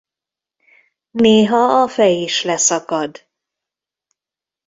Néha a fej is leszakad.